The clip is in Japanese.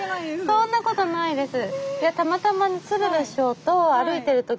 そんなことないです。